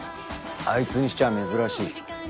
あいつにしちゃ珍しい。